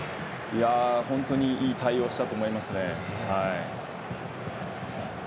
本当にいい対応したと思います。